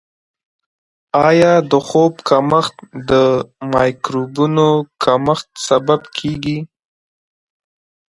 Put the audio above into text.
آیا د خوب کمښت د مایکروبونو کمښت سبب کیږي؟